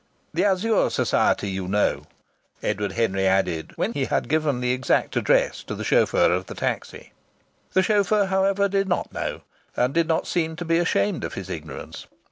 "The Azure Society, you know!" Edward Henry added, when he had given the exact address to the chauffeur of the taxi. The chauffeur, however, did not know, and did not seem to be ashamed of his ignorance.